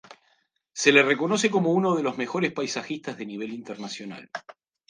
Se le reconoce como uno de los mejores paisajistas de nivel internacional.